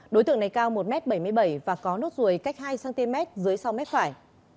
đối tượng này cao một m bảy mươi bảy và có nốt ruồi cách hai cm dưới sau mép phải